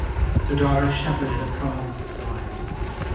So Dara shepherded a province wide.